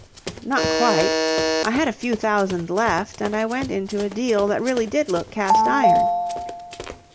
"Not quite. I had a few thousand left, and I went into a deal that really did look cast iron."